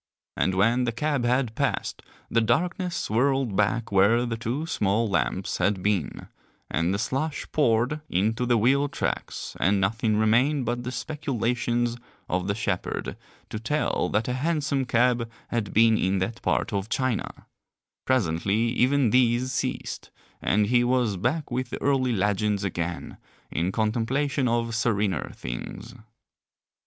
And when the cab had passed the darkness swirled back where the two small lamps had been, and the slush poured into the wheel tracks and nothing remained but the speculations of the shepherd to tell that a hansom cab had been in that part of China; presently even these ceased, and he was back with the early legends again in contemplation of serener things.